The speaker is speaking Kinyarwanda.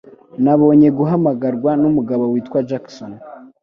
Nabonye guhamagarwa numugabo witwa Jackson.